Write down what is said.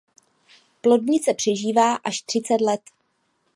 Plodnice přežívá až třicet let.